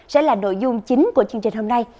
sẽ là nội dung chính của chương trình hôm nay